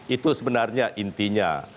itu sebenarnya intinya